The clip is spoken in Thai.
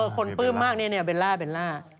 คนเปิ้มมากนี่เบลล่า